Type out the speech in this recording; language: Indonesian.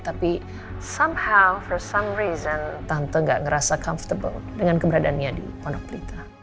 tapi somehow for some reason tante gak ngerasa comfortable dengan keberadaannya di ponokplita